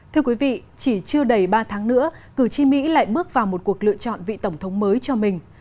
thưa quý vị chỉ chưa đầy ba tháng nữa cử tri mỹ lại bước vào một cuộc lựa chọn vị tổng thống mới cho mình